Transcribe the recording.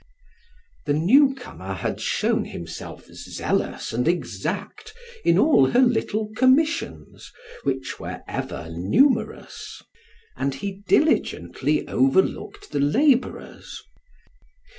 The new comer had shown himself zealous and exact in all her little commissions, which were ever numerous, and he diligently overlooked the laborers.